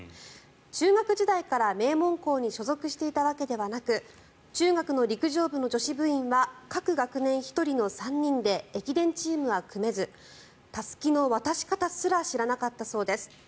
中学時代から名門校に所属していたわけではなく中学の陸上部の女子部員は各学年１人の３人で駅伝チームは組めずたすきの渡し方すら知らなかったそうです。